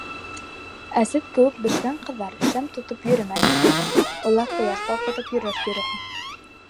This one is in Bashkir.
Асет кеүек бешкән ҡыҙҙар шәм тотоп йөрөмәҫ, улар ҡояш балҡытып йөрөр йөрөһә.